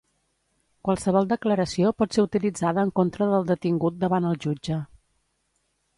Qualsevol declaració pot ser utilitzada en contra del detingut davant el jutge.